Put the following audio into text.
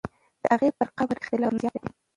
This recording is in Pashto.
د هغې پر قبر اختلاف تر نورو زیات دی.